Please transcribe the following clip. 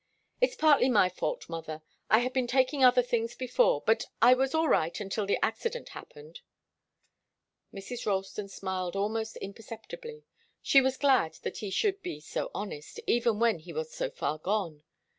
"It's partly my fault, mother. I had been taking other things before, but I was all right until the accident happened." Mrs. Ralston smiled almost imperceptibly. She was glad that he should be so honest, even when he was so far gone.